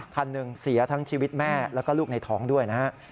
คันหนึ่งเสียทั้งชีวิตแม่แล้วก็ลูกในท้องด้วยนะฮะ